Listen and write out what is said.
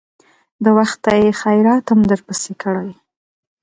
د وخته يې خيراتم درپسې کړى.